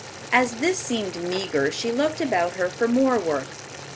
As this seemed meagre, she looked about her for more work.